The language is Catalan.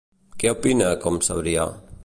Què opina com Sebrià?